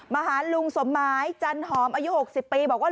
มาหาลุงสมหมายจันหอมอายุ๖๐ปีบอกว่า